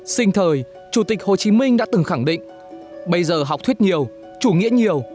sinh thời chủ tịch hồ chí minh đã từng khẳng định bây giờ học thuyết nhiều chủ nghĩa nhiều